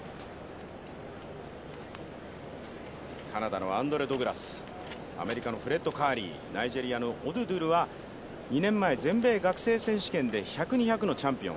カナダのアンドレ・ドグラス、アメリカのフレッド・カーリー、ナイジェリアのオドゥドゥルは２年前の全米学生選手権で１００、２００の学生チャンピオン。